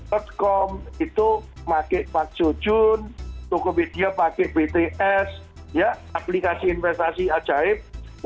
cotkom itu pakai pak jojun tokopedia pakai bts aplikasi investasi ajaib